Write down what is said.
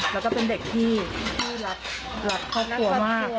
แล้วก็เป็นเด็กที่รักครอบครัวมาก